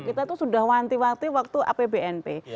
kita tuh sudah wanti wanti waktu apbnp